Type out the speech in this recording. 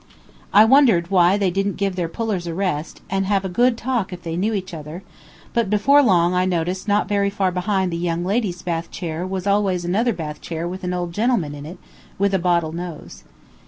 I wondered why they didn't give their pullers a rest and have a good talk if they knew each other, but before long I noticed not very far behind the young lady's bath chair was always another bath chair with an old gentleman in it with a bottle nose.